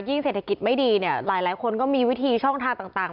เศรษฐกิจไม่ดีเนี่ยหลายคนก็มีวิธีช่องทางต่าง